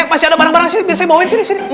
eh masih ada barang barang biar saya bawa sini